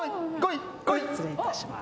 失礼いたします。